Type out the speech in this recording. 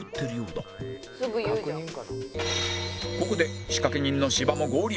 ここで仕掛け人の芝も合流